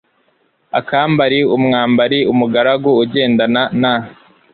akambari umwambari umugaragu ugendana na